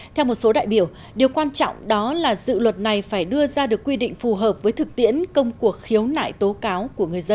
theo một số đại biểu điều quan trọng đó là dự luật này phải đưa ra được quy định phù hợp với thực tiễn công cuộc khiếu nại tố cáo của người dân